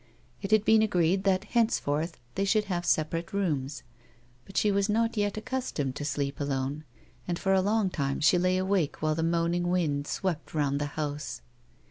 It had been agreed that hence forth they should have separate rooms, but she was not yet accustomed to sleep alone, and, for a long time, she lay awake while the moaning wind swept round the house.